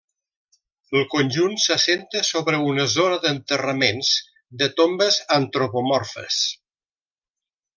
El conjunt s'assenta sobre una zona d'enterraments de tombes antropomorfes.